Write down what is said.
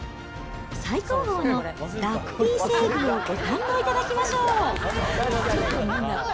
最高峰の脱皮伊勢海老をご堪能いただきましょう。